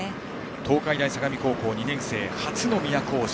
東海大相模高校２年生初の都大路。